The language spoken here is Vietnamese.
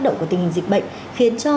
động của tình hình dịch bệnh khiến cho